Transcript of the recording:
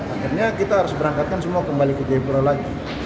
akhirnya kita harus berangkatkan semua kembali ke jayapura lagi